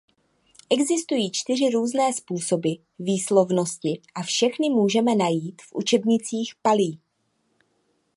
Existují čtyři různé způsoby výslovnosti a všechny můžeme najít v učebnicích páli.